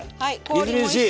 みずみずしい。